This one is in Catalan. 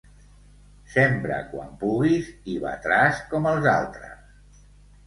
Sembra quan puguis i batràs com els altres.